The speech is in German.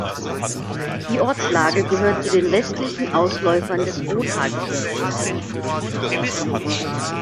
Die Ortslage gehört zu den westlichen Ausläufern des Rothaargebirges.